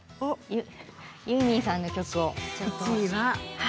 ユーミンさんの曲を。